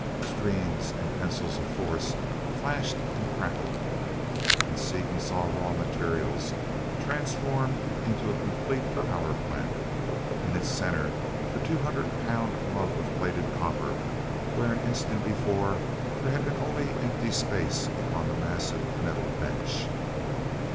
Streams and pencils of force flashed and crackled, and Seaton saw raw materials transformed into a complete power plant, in its center the two hundred pound lump of plated copper, where an instant before there had been only empty space upon the massive metal bench.